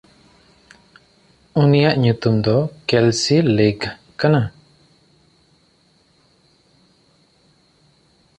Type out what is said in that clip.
ᱩᱱᱤᱭᱟᱜ ᱧᱩᱛᱩᱢ ᱫᱚ ᱠᱮᱞᱥᱤᱼᱞᱮᱭᱜᱷ ᱠᱟᱱᱟ᱾